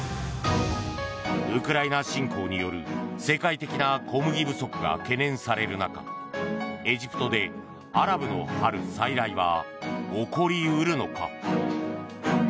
ウクライナ侵攻による世界的な小麦不足が懸念される中エジプトでアラブの春再来は起こり得るのか。